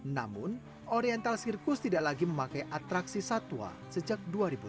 namun oriental sirkus tidak lagi memakai atraksi satwa sejak dua ribu tujuh belas